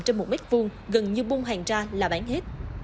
trên một mét vuông gần như buôn hàng ra là bán hết